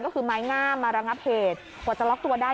ก็คือไม้งามมาระงับเหตุกว่าจะล็อกตัวได้